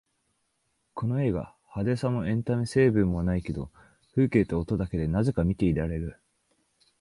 この映画、派手さもエンタメ成分もないけど風景と音だけでなぜか見ていられる